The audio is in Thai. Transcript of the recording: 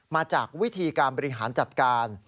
มาจากวิธีการบริหารจัดการ